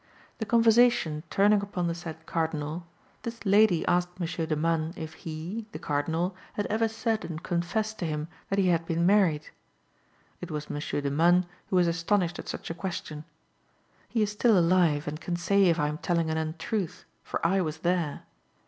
The conversation turning upon the said Cardinal, this lady asked Monsieur de Manne if he (the Cardinal) had ever said and confessed to him that he had been married. It was Monsieur de Manne who was astonished at such a question. He is still alive and can say if I am telling an untruth, for I was there.